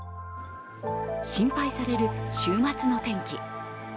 心配される週末の天気。